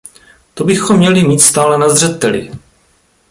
To bychom měli mít stále na zřeteli.